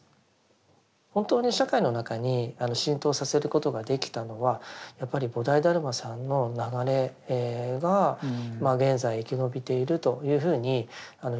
本当に社会の中に浸透させることができたのはやっぱり菩提達磨さんの流れが現在生き延びているというふうにいうことができると思います。